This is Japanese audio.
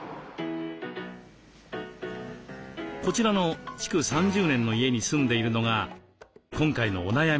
こちらの築３０年の家に住んでいるのが今回のお悩み